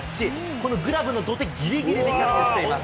このグラブの土手ぎりぎりでキャッチしています。